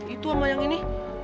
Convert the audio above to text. itu sama yang ini